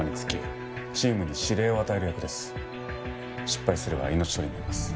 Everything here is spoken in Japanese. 失敗すれば命取りになります。